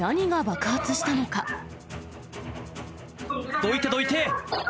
どいて、どいて。